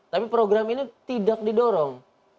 tapi program ini tidak didorong